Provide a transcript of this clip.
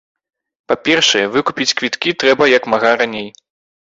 Па-першае, выкупаць квіткі трэба як мага раней.